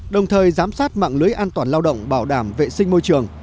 đồng thời giám sát mạng lưới an toàn lao động bảo đảm vệ sinh môi trường